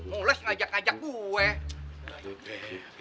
mulis ngajak ngajak gue